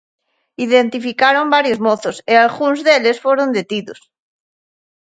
Identificaron varios mozos, e algúns deles foron detidos.